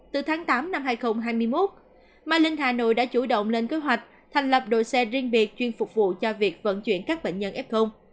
từ tháng tám năm hai nghìn hai mươi một ma linh hà nội đã chủ động lên kế hoạch thành lập đội xe riêng biệt chuyên phục vụ cho việc vận chuyển các bệnh nhân f